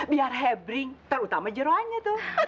biar hebring terutama jerukannya